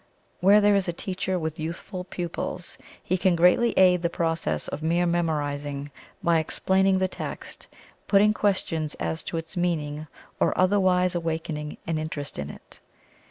Where there is a teacher with youthful pupils, he can greatly aid the process of mere memorizing, by explaining the text, putting questions as to its meaning, or otherwise awaking an interest in it.